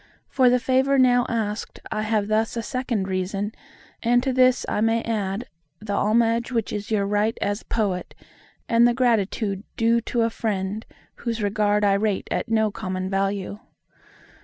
For the favour now asked I have thus a second reason: and to this I may add, the homage which is your right as Poet, and the gratitude due to a Friend, whose regard I rate at no common value.